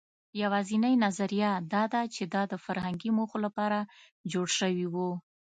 یواځینۍ نظریه دا ده، چې دا د فرهنګي موخو لپاره جوړ شوي وو.